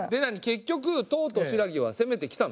結局唐と新羅はせめてきたの？